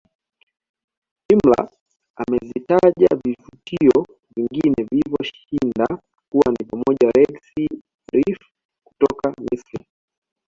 Imler amevitaja vivutio vingine vilivyo shinda kuwa ni pamoja Red sea reef kutoka Misri